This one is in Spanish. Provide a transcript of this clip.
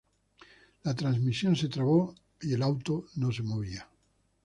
La transmisión se trabó y el auto no se movía.